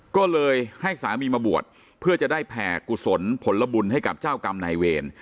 ก็เลยให้สามีมาบวชเพื่อจะได้แผ่กุศลผลบุญให้กับเจ้ากรรมนายเวร